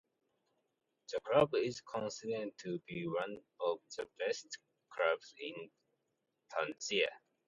The club is considered to be one of the best clubs in Tunisia.